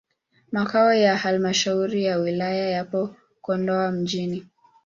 Makao ya halmashauri ya wilaya yapo Kondoa mjini.